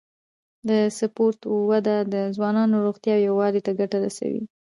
د سپورت وده د ځوانانو روغتیا او یووالي ته ګټه رسوي.